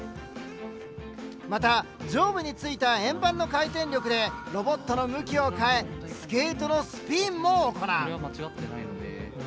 また上部についた円盤の回転力でロボットの向きを変えスケートのスピンも行う。